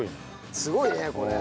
すごいねこれ。